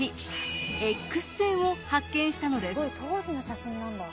すごい当時の写真なんだ。